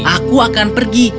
aku akan pergi